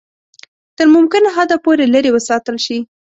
تر ممکنه حده پوري لیري وساتل شي.